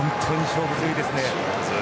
勝負強いですね。